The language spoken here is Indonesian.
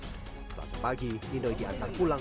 setelah sepagi ninoi diantar pulang